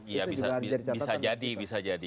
iya bisa jadi